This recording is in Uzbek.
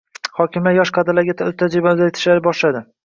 Hokimlar yosh kadrlarga o'z tajribasini o'rgatishni boshladi.